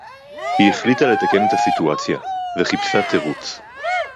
הִיא הֶחֱלִיטָה לְתַקֵּן אֶת הַסִּיטוּאַצְיָה, וְחִפְּשָׂה תֵּרוּץ.